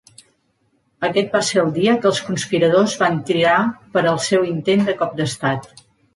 Aquest va ser el dia que els conspiradors van triar per al seu intent de cop d'estat.